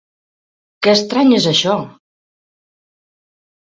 Que estrany és això!